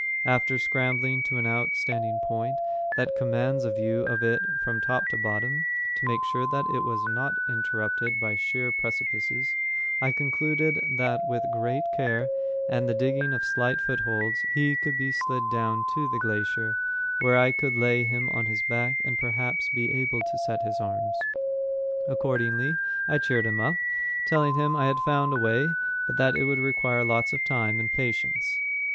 After scrambling to an outstanding point that commands a view of it from top to bottom, to make sure that it was not interrupted by sheer precipices, I concluded that with great care and the digging of slight footholds he could be slid down to the glacier, where I could lay him on his back and perhaps be able to set his arms. Accordingly, I cheered him up, telling him I had found a way, but that it would require lots of time and patience.